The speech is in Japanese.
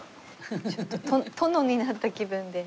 ちょっと殿になった気分で。